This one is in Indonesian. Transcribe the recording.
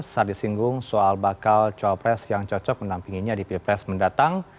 saat disinggung soal bakal cowok pres yang cocok mendampinginya di pilpres mendatang